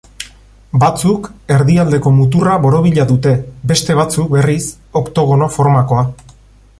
Batzuk, erdialdeko muturra borobila dute, beste batzuk, berriz, oktogono formakoa.